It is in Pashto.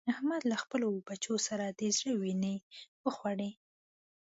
احمد له خپلو بچو سره د زړه وينې وخوړې.